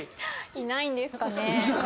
いないんですかね。